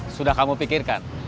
sudah kamu pikirkan